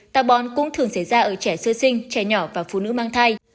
tà bón cũng thường xảy ra ở trẻ sơ sinh trẻ nhỏ và phụ nữ mang thai